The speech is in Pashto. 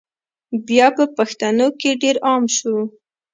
بیا په پښتنو کي ډېر عام سو